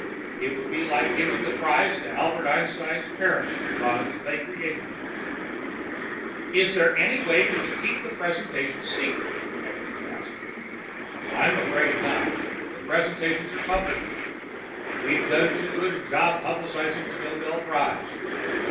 It would be like giving the prize to Albert Einstein's parents because they created him." "Is there any way we can keep the presentation secret?" Eklund asked. "I'm afraid not. The presentations are public. We've done too good a job publicizing the Nobel Prize.